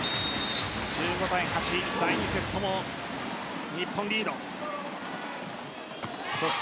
１５対８と第２セットも日本リード。